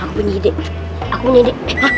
aku punya ide aku punya ide